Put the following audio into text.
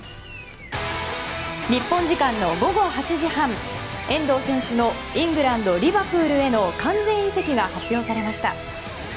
日本時間の午後８時半遠藤選手のイングランド、リバプールへの完全移籍が発表されました